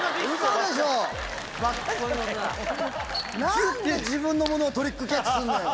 何で自分のものをトリックキャッチすんのよ。